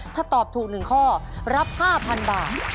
ถ้าตอบถูก๑ข้อรับ๕๐๐๐บาท